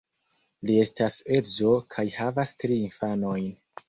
Li estas edzo kaj havas tri infanojn.